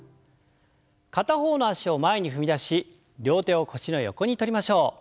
片方の脚を前に踏み出し両手を腰の横にとりましょう。